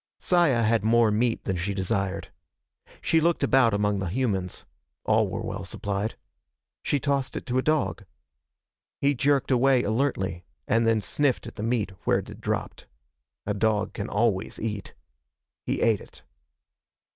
Saya had more meat than she desired. She looked about among the humans. All were well supplied. She tossed it to a dog. He jerked away alertly, and then sniffed at the meat where it had dropped. A dog can always eat. He ate it.